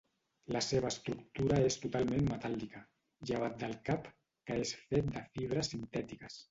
La seva estructura és totalment metàl·lica, llevat del cap, que és fet de fibres sintètiques.